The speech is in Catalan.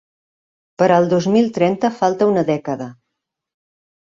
Per al dos mil trenta falta una dècada.